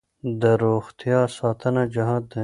د روغتیا ساتنه جهاد دی.